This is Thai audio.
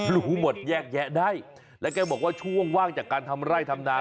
รู้หมดแยกแยะได้แล้วแกบอกว่าช่วงว่างจากการทำไร่ทำนา